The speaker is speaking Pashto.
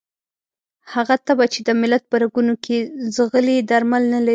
هغه تبه چې د ملت په رګونو کې ځغلي درمل نه لري.